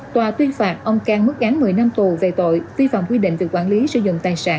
tòa tuyên phạt ông cang mức án một mươi năm tù về tội vi phạm quy định về quản lý sử dụng tài sản